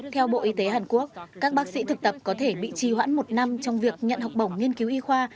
theo bộ y tế hàn quốc các bác sĩ thực tập có thể bị trì hoãn một năm trong việc nhận học bổng nghiên cứu y khoa